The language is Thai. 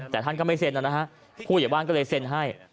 แต่ท่านก็ไม่เซ็นนะฮะผู้ใหญ่บ้านก็เลยเซ็นให้